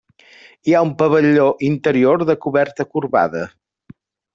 Hi ha un pavelló interior de coberta corbada.